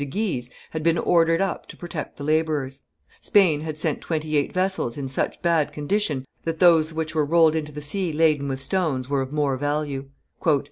de Guise, had been ordered up to protect the laborers; Spain had sent twenty eight vessels in such bad condition that those which were rolled into the sea laden with stones were of more value.